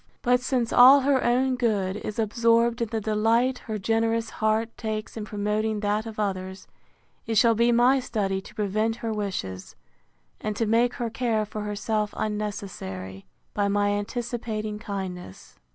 But since all her own good is absorbed in the delight her generous heart takes in promoting that of others, it shall be my study to prevent her wishes, and to make her care for herself unnecessary, by my anticipating kindness.